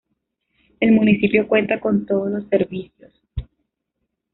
El municipio cuenta con todos los servicios.